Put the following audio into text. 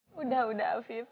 sudah sudah afidz